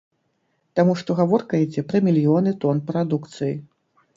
Таму што гаворка ідзе пра мільёны тон прадукцыі.